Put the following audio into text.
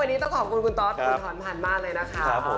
วันนี้ต้องขอบคุณคุณทอธคุณถอนผ่านมากเลยนะครับ